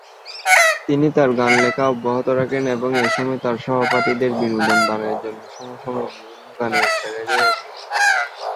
তিনি তার গান লেখা অব্যাহত রাখেন এবং এসময় তার সহপাঠীদের বিনোদন দানের জন্য সমসাময়িক বিভিন্ন গানের প্যারোডি রচনা করেন।